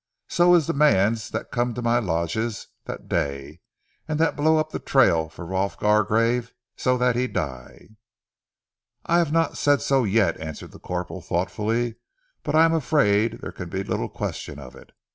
So he is ze mans dat come to my lodges dat day, an' dat blow up ze trail for Rolf Gargrave so dat he die." "I have not said so yet," answered the corporal thoughtfully, "but I am afraid that there can be little question of it.